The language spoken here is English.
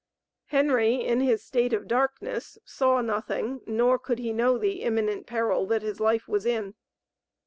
Henry, in his state of darkness, saw nothing, nor could he know the imminent peril that his life was in.